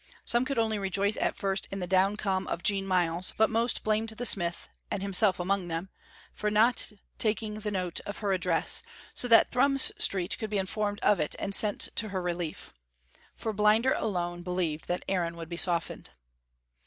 Some could only rejoice at first in the down come of Jean Myles, but most blamed the smith (and himself among them) for not taking note of her address, so that Thrums Street could be informed of it and sent to her relief. For Blinder alone believed that Aaron would be softened.